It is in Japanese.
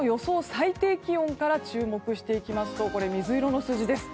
最低気温から注目していきますと水色の数字です。